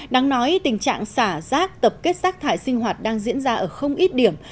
đáng nói tình trạng xả rác tập kết rác thải sinh hoạt đang diễn ra ở không ít điểm